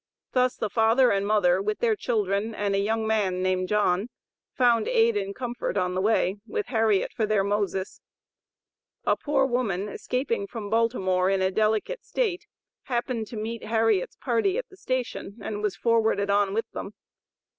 Thus the father and mother, with their children and a young man named John, found aid and comfort on their way, with Harriet for their "Moses." A poor woman escaping from Baltimore in a delicate state, happened to meet Harriet's party at the station, and was forwarded on with them.